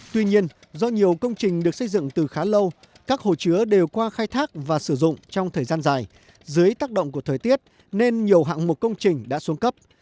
tuy nhiên do nhiều công trình được xây dựng từ khá lâu các hồ chứa đều qua khai thác và sử dụng trong thời gian dài dưới tác động của thời tiết nên nhiều hạng mục công trình đã xuống cấp